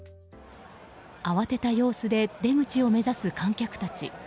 慌てた様子で出口を目指す観客たち。